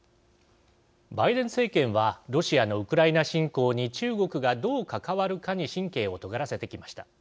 バイデン政権はロシアのウクライナ侵攻に中国がどう関わるかに神経をとがらせてきました。